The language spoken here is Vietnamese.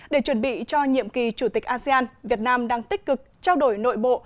để chuẩn bị cho nhiệm kỳ chủ tịch asean việt nam đang tích cực trao đổi nội bộ